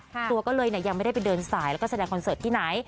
ตัวก็เลยยังไม่ได้ไปเดินสายแล้วก็แสดงคอนเสิร์ตที่ไหน